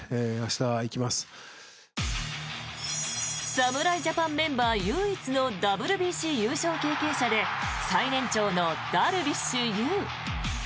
侍ジャパンメンバー唯一のＷＢＣ優勝経験者で最年長のダルビッシュ有。